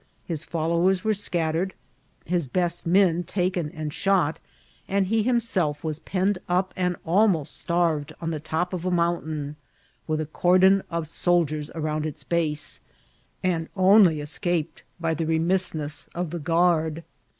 His followers were scattered, his best men taken and shot, and he himself was penned up and almost starved on the top of a mountain, with a cordon of soldiers around its base, and only escaped by the re missness of the guard.